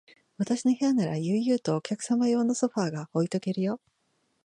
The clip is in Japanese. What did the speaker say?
私の部屋なら、悠々とお客用のソファーが置いとけるよ。